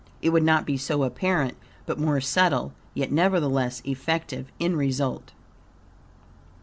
It would not be so apparent, but more subtle, yet nevertheless effective in result.